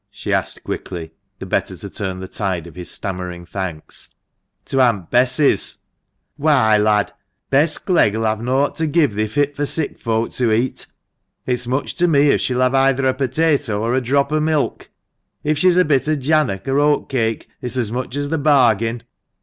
" she asked quickly, the better to turn the tide of his stammering thanks. "To Aunt BessV " Why, lad, Bess Clegg'll have naught to give thee fit for sick folk to eat. It's much to me if she'll have either a potato or a drop of milk. If she's a bit of jannock, or oat cake, it's as much as the bargain.